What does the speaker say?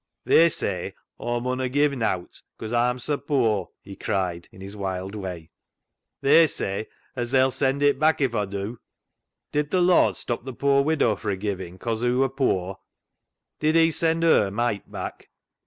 " They say Aw munna give nowt 'cause Aw'm sa poor," he cried, in his wild way. " They say as they'll send it back if Aw dew. Did th' Lord stop th' poor widow fro' givin' 'cause hoc wur poor ? Did He send her mite back